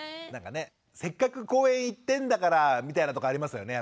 せっかく公園行ってんだからみたいなとこありますよね